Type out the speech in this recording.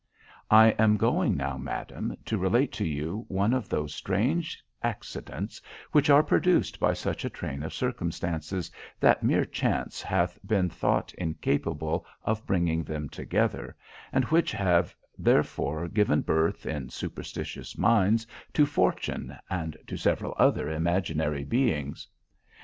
"I am going now, madam, to relate to you one of those strange accidents which are produced by such a train of circumstances, that mere chance hath been thought incapable of bringing them together; and which have therefore given birth, in superstitious minds, to Fortune, and to several other imaginary beings.